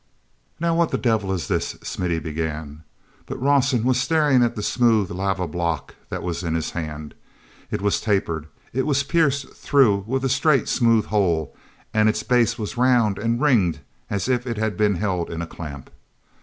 "Now what the devil is this?" Smithy began. But Rawson was staring at the smooth lava block that was in his hand. It was tapered; it was pierced through with a straight, smooth hole, and its base was round and ringed as if it had been held in a clamp.